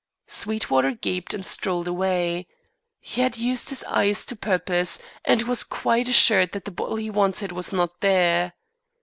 Sweetwater gaped and strolled away. He had used his eyes to purpose, and was quite assured that the bottle he wanted was not there.